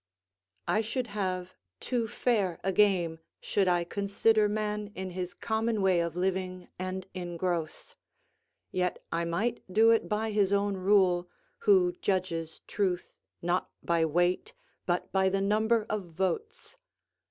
I should have too fair a game should I consider man in his common way of living and in gross; yet I might do it by his own rule, who judges truth not by weight, but by the number of votes.